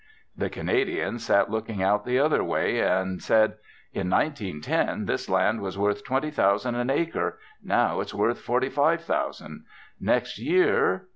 The Canadians sat looking out the other way, and said, "In nineteen ten this land was worth twenty thousand an acre; now it's worth forty five thousand. Next year...."